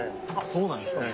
そうなんですか。